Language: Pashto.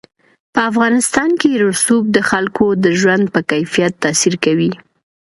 په افغانستان کې رسوب د خلکو د ژوند په کیفیت تاثیر کوي.